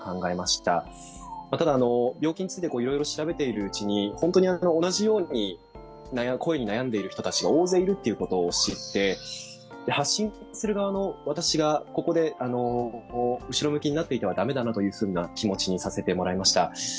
ただ病気についていろいろ調べているうちに本当に同じように声に悩んでいる方が大勢いるということを知って発信する側の私がここで後ろ向きになっていては駄目だなという気持ちにさせてもらいました。